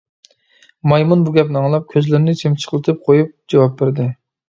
مايمۇن بۇ گەپنى ئاڭلاپ، كۆزلىرىنى چىمچىقلىتىپ قۇيۇپ جاۋاب بەردى.